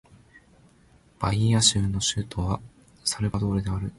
バイーア州の州都はサルヴァドールである